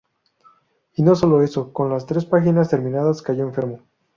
Y no solo eso, con las tres páginas terminadas, cayó enfermo.